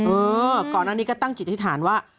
เออก่อนอันนี้ก็ตั้งจิตอธิษฐานว่า